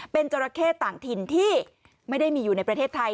เป็นจราเข้ต่างถิ่นที่ไม่ได้มีอยู่ในประเทศไทย